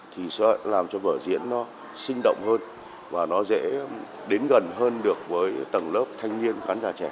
thì sẽ làm cho vở diễn nó sinh động hơn và nó dễ đến gần hơn được với tầng lớp thanh niên khán giả trẻ